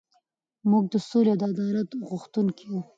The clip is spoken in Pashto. موږ د سولې او عدالت غوښتونکي یو.